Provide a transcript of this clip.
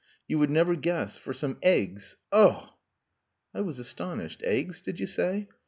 You would never guess. For some eggs.... Oh!" I was astonished. "Eggs, did you say?"